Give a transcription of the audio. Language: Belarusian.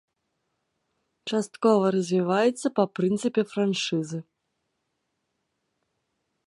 Часткова развіваецца па прынцыпе франшызы.